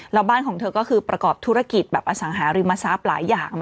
แล้วบ้านของเธอก็คือประกอบธุรกิจแบบอสังหาริมทรัพย์หลายอย่าง